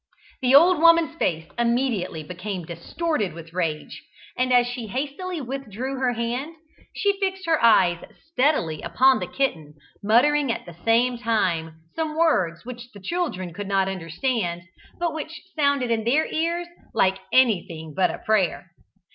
The old woman's face immediately became distorted with rage, and as she hastily withdrew her hand, she fixed her eyes steadily upon the kitten, muttering at the same time some words which the children could not understand, but which sounded in their ears like anything but a prayer.